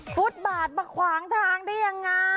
ฟุตบาทมาขวางทางได้ยังไง